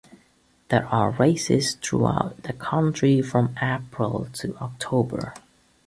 There are races throughout the country from April to October.